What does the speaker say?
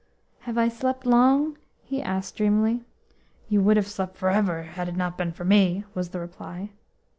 "Have I slept long?" he asked dreamily. "You would have slept for ever had it not been for me," was the reply.